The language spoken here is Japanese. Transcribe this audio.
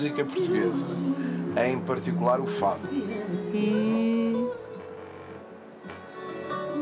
へえ。